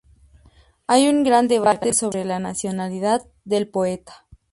Hay un gran debate sobre la nacionalidad del poeta.